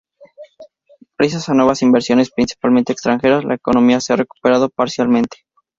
Gracias a nuevas inversiones, principalmente extranjeras, la economía se ha recuperado parcialmente.